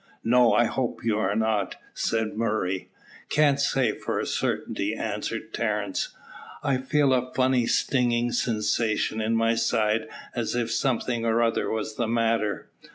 "No; I hope you are not," said Murray. "Can't say for a certainty," answered Terence; "I feel a funny stinging sensation in my side as if something or other was the matter."